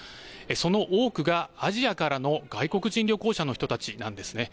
その多くがアジアからの外国人旅行者の人たちなんですね。